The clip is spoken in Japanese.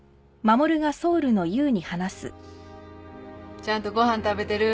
ちゃんとご飯食べてる？